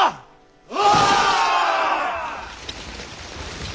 お！